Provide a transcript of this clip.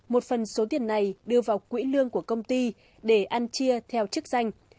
một phần số tiền này đưa vào quỹ lương của công ty để ăn chia theo chức danh